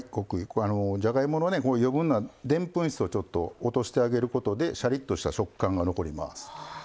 じゃがいもの余分なでんぷん質をちょっと落としてあげることでシャリッとした食感が残ります。